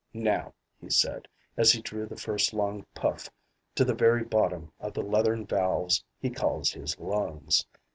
"Now," he said, as he drew the first long puff to the very bottom of the leathern valves he calls his lungs.